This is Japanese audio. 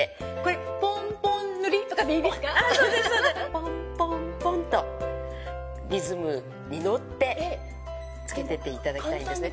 ポンポンポンとリズムに乗ってつけてっていただきたいんですね。